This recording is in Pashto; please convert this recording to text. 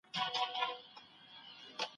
ستا توري باښې غلیمه ټولي مقدسي دي